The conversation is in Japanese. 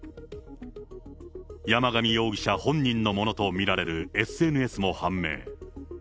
山上容疑者本人のものと見られるＳＮＳも判明。